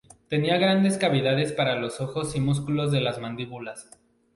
Tenía grandes cavidades para los ojos y músculos de las mandíbulas.